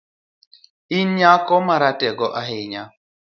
In nyako ma ratego ahinya